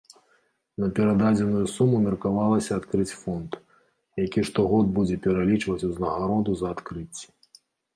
На перададзеную суму меркавалася адкрыць фонд, які штогод будзе пералічваць узнагароду за адкрыцці.